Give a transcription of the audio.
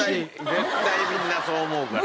絶対みんなそう思うから。